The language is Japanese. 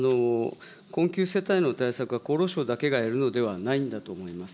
困窮世帯の対策は、厚労省だけがやるのではないんだと思います。